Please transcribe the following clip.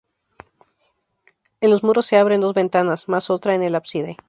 En los muros se abren dos ventanas, más otra en el ábside.